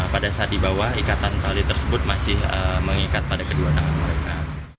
pada saat di bawah ikatan tali tersebut masih mengikat pada kedua tangan mereka